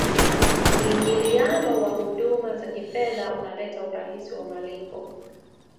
muingiliano wa huduma za kifedha unaleta urahisi wa malipo